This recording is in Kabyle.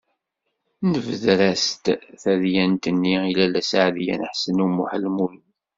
Nebder-as-d tadyant-nni i Lalla Seɛdiya n Ḥsen u Muḥ Lmlud.